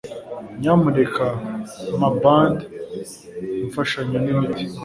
Nyamuneka mpa Band-Imfashanyo n'imiti.